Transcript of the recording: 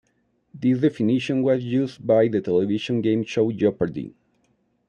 This definition was used by the television game show Jeopardy!